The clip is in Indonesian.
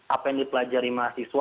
apa yang dipelajari mahasiswa